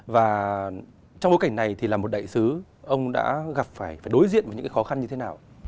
và trong bối cảnh này thì là một đại sứ ông đã gặp phải phải đối diện với những cái khó khăn như thế nào